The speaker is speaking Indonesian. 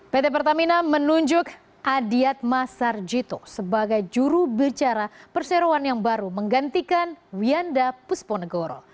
pt pertamina menunjuk adiatma sarjito sebagai juru bicara perseroan yang baru menggantikan wienda pusponegoro